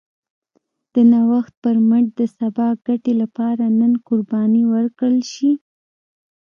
د نوښت پر مټ د سبا ګټې لپاره نن قرباني ورکړل شي.